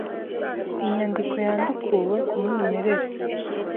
Inyandiko yandukuwe ku mwimerere